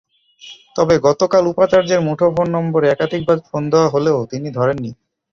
তবে গতকাল উপাচার্যের মুঠোফোন নম্বরে একাধিকবার ফোন দেওয়া হলেও তিনি ধরেননি।